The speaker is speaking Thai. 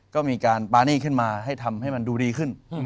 ก็มีการปานี่ขึ้นมาให้ทำให้มันดูดีขึ้น